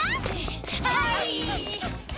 はい！